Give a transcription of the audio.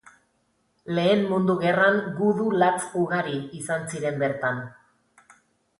Lehen Mundu Gerran gudu latz ugari izan ziren bertan.